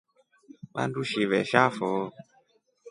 Vandu shivesha foo.